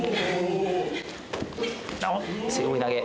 背負い投げ。